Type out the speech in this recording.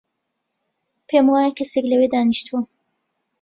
پێم وایە کەسێک لەوێ دانیشتووە.